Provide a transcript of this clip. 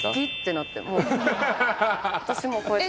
私もこうやって。